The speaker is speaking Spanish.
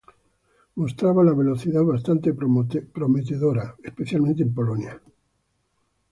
Mostraba la velocidad bastante prometedor, especialmente en Polonia.